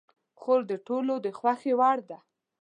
خور د ټولو د خوښې وړ ده.